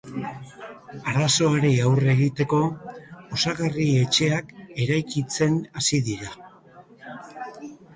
Arazoari aurre giteko, osagarri etxeak eraikitzen hasi dira.